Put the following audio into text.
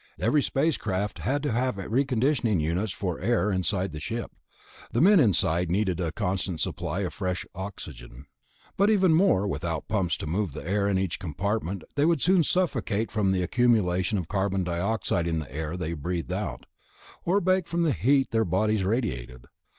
Every space craft had to have reconditioning units for the air inside the ship; the men inside needed a constant supply of fresh oxygen, but even more, without pumps to move the air in each compartment they would soon suffocate from the accumulation of carbon dioxide in the air they breathed out, or bake from the heat their bodies radiated.